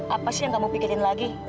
apa sih yang kamu pikirin lagi